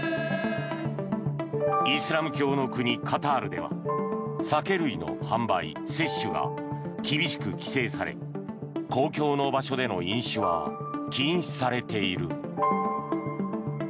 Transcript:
イスラム教の国、カタールでは酒類の販売・摂取が厳しく規制され公共の場所での飲酒は禁止されている。